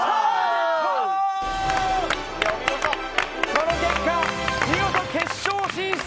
この結果、見事決勝進出